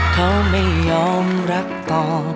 เขาไม่ยอมรักต่อ